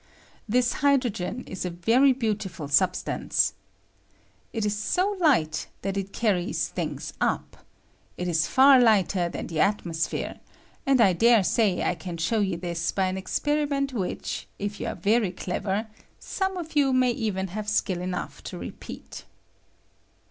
This hydrogen is a very beautiful sabstauce. It la bo light that it 90 LIGHTKESS OF HYDROGEN. carries tliiriga up; it is far lighter than the atmosphere, and I dare say I can show joa this by an experiment which, if you are very clever, some of you may even have skill enough to re peat.